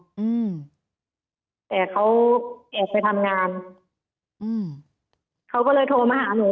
อืมแต่เขาแอบไปทำงานอืมเขาก็เลยโทรมาหาหนู